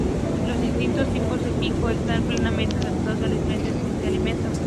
Los distintos tipos de pico están plenamente adaptados a las diferentes fuentes de alimento.